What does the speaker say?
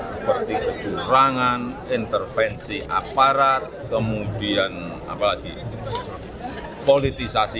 seperti kecurangan intervensi aparat kemudian apalagi politisasi